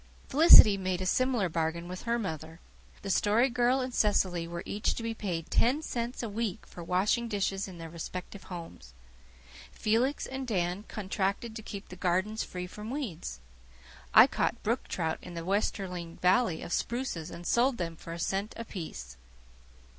Felicity made a similar bargain with her mother. The Story Girl and Cecily were each to be paid ten cents a week for washing dishes in their respective homes. Felix and Dan contracted to keep the gardens free from weeds. I caught brook trout in the westering valley of spruces and sold them for a cent apiece.